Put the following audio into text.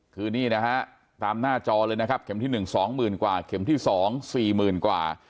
คือนี่นะฮะตามหน้าจอเลยนะครับเข็มที่๑๒๐๐๐กว่าเข็มที่๒๔๐๐๐กว่า